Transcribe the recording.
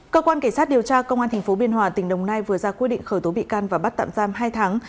cơ quan cảnh sát điều tra công an tp biên hòa tỉnh đồng nai vừa ra quyết định khởi tố bị can và bắt tạm giam hai tháng